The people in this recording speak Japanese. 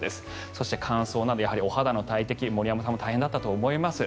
そして乾燥などお肌の大敵森山さんも大変だったと思います。